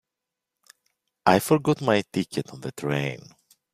I forgot my ticket on the train.